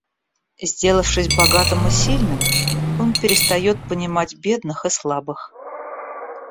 Сделавшись богатым и сильным, он перестает понимать бедных и слабых.